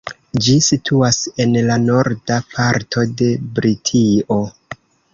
Ĝi situas en la norda parto de Britio.